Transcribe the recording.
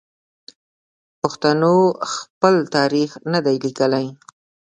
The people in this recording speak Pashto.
پښتنو خپل تاریخ نه دی لیکلی.